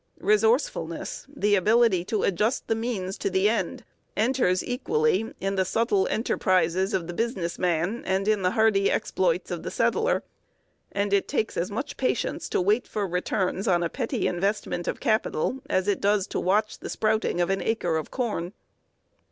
Resourcefulness the ability to adjust the means to the end enters equally in the subtle enterprises of the business man and in the hardy exploits of the settler; and it takes as much patience to wait for returns on a petty investment of capital as it does to watch the sprouting of an acre of corn.